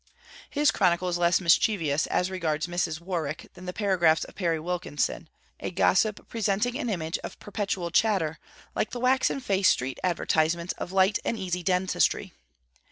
His chronicle is less mischievous as regards Mrs. Warwick than the paragraphs of Perry Wilkinson, a gossip presenting an image of perpetual chatter, like the waxen faced street advertizements of light and easy dentistry.